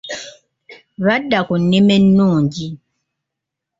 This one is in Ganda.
Badda ku nnima ennungi.